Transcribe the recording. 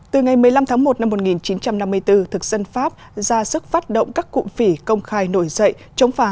từ ngày một mươi năm tháng một năm một nghìn chín trăm năm mươi bốn thực dân pháp ra sức phát động các cụm phỉ công khai nổi dậy chống phá